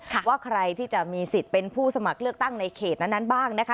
ว่าใครที่จะมีสิทธิ์เป็นผู้สมัครเลือกตั้งในเขตนั้นบ้างนะคะ